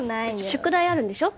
宿題あるんでしょ？